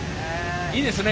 いいですね